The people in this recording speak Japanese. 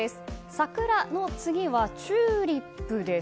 桜の次はチューリップです。